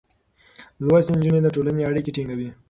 لوستې نجونې د ټولنې اړيکې ټينګوي.